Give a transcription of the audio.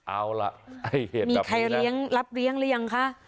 เอาล่ะเหตุแบบนี้นะมีใครรับเลี้ยงหรือยังคะ